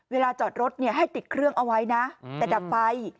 เวลาจอดรถให้ติดเครื่องเอาไว้นะแต่ดับไฟ